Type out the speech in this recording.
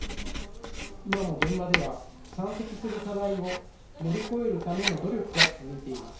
今も現場では山積する課題を乗り越えるための努力が続いています。